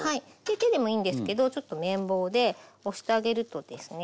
手でもいいんですけどちょっと麺棒で押してあげるとですね